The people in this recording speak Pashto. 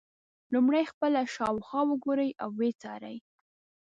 لومړی خپله شاوخوا وګورئ او ویې څارئ.